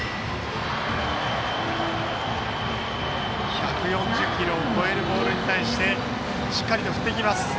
１４０キロを超えるボールに対してしっかりと振っていきます。